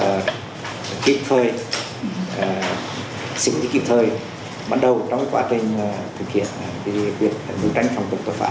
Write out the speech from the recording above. bắt đầu trong quá trình thực hiện cái việc đối tranh phòng vụ tội phạm